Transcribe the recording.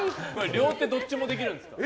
両手どっちもできるんですか？